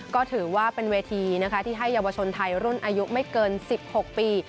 ก็ถือว่าเป็นเวทีนะคะที่ให้เยาวชนไทยรุ่นอายุไม่เกิน๑๖ปี